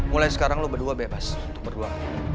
mulai sekarang lu berdua bebas berdua